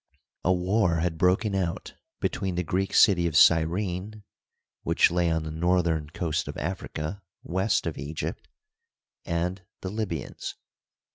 A war had broken out between the Greek city of Cyrene, which lay on the northern coast of Africa, west of Egypt, and the Libyans.